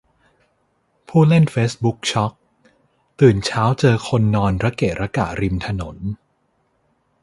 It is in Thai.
ผู้เล่นเฟซบุ๊กช็อก ตื่นเช้าเจอคนนอนระเกะระกะริมถนน